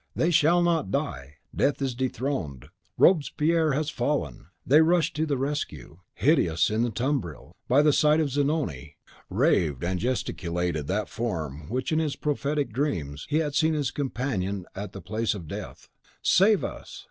They shall not die! Death is dethroned! Robespierre has fallen! they rush to the rescue! Hideous in the tumbril, by the side of Zanoni, raved and gesticulated that form which, in his prophetic dreams, he had seen his companion at the place of death. "Save us!